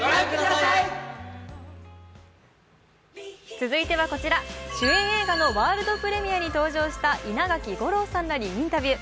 続いてはこちら、主演映画のワールドプレミアに登場した、稲垣吾郎さんらにインタビュー。